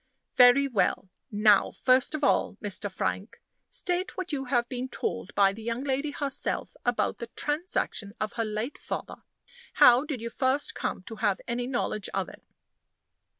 Very well. Now, first of all, Mr. Frank, state what you have been told by the young lady herself about the transaction of her late father. How did you first come to have any knowledge of it?"